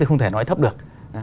thì không thể nói thấp được